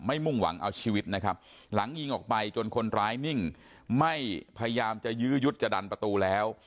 มุ่งหวังเอาชีวิตนะครับหลังยิงออกไปจนคนร้ายนิ่งไม่พยายามจะยื้อยุดจะดันประตูแล้ว